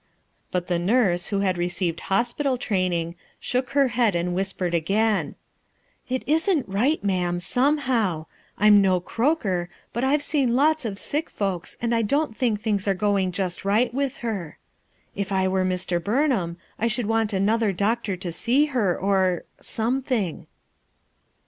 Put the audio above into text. But the nurse who had received hospital training, shook her head and whispered again :— "It isn't right, ma'am, somehow, I'm no croaker but I've seen lots of sick folks and I don't think things are going just right with her. A STRANGE CHANGE 343 If I were Mr. Burnham, I should want another doctor to sec her, or — something.'